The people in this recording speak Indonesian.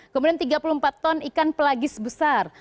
kemudian tiga puluh empat ton ikan pelagis besar